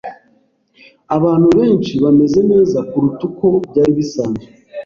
Abantu benshi bameze neza kuruta uko byari bisanzwe.